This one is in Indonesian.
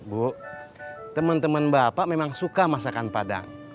bu temen temen bapak memang suka masakan padang